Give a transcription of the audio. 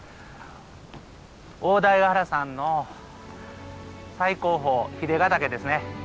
大台ヶ原山の最高峰日出ヶ岳ですね。